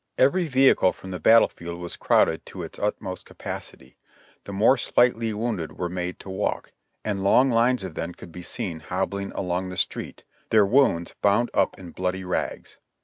Every vehicle from the battle field was crowded to its utmost capacity. The more slightly wounded were made to walk, and long lines of them could be seen hobbling along the street, their wounds bound up in bloody rags.